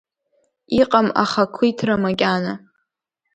Иҟам ахақәиҭра макьана!